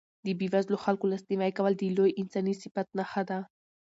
د بېوزلو خلکو لاسنیوی کول د لوی انساني صفت نښه ده.